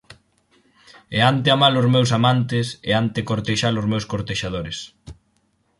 E hante ama-los meus amantes, hante cortexa-los meus cortexadores.